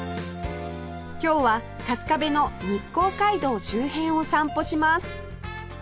今日は春日部の日光街道周辺を散歩します